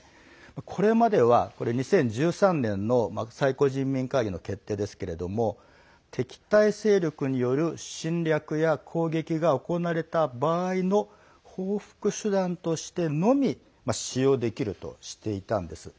これまでは２０１３年の最高人民会議の決定ですけども敵対勢力による侵略や攻撃が行われた場合の報復手段としてのみ使用できるとしていたんです。